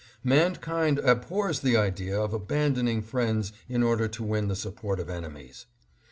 Mankind abhors the idea of abandoning friends in order to win the support of enemies.